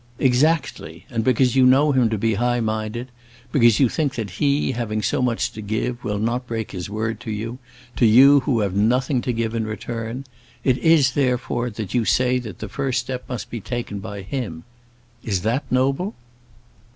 "Exactly; and because you know him to be high minded, because you think that he, having so much to give, will not break his word to you to you who have nothing to give in return it is, therefore, that you say that the first step must be taken by him. Is that noble?"